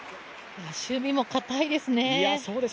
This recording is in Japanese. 守備もかたいですね。